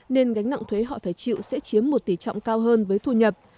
nên gánh nặng thuế họ phải chịu sẽ chiếm một tỷ trọng cao hơn với thu nhập